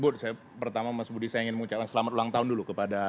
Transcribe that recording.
bu saya pertama mas budi saya ingin mengucapkan selamat ulang tahun dulu kepada